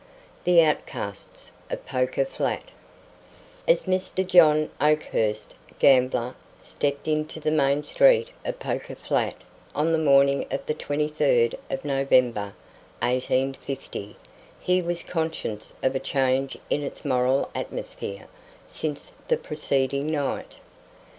THE OUTCASTS OF POKER FLAT As Mr. John Oakhurst, gambler, stepped into the main street of Poker Flat on the morning of the twenty third of November, 1850, he was conscious of a change in its moral atmosphere since the preceding night.